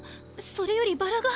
それよりバラが。